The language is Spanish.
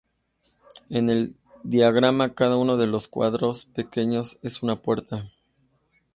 En el diagrama, cada uno de los cuadrados pequeños es una puerta.